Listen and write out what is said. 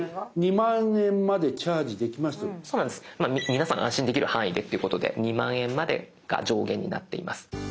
皆さん安心できる範囲でっていうことで２万円までが上限になっています。